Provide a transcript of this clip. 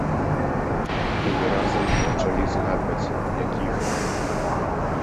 І мы разам пачалі згадваць, якіх.